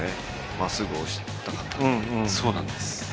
まっすぐ押したかった。